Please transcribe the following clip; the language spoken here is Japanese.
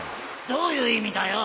どういう意味だよ